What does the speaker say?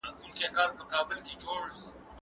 پر ځان باور لرل د بریا لومړی ګام دی.